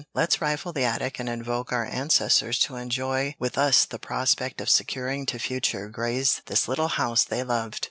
"Let's rifle the attic and invoke our ancestors to enjoy with us the prospect of securing to future Greys this little house they loved.